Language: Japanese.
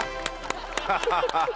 ハハハハハ。